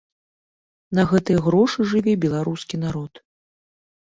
На гэтыя грошы жыве беларускі народ.